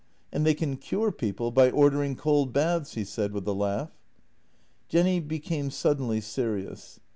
" And they can cure people by ordering cold baths," he said, with a laugh. Jenny became suddenly serious.